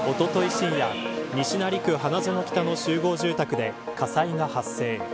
深夜西成区花園北の集合住宅で火災が発生。